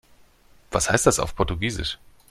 Was heißt das auf Portugiesisch?